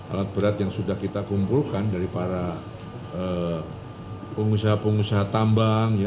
alat berat yang sudah kita kumpulkan dari para pengusaha pengusaha tambang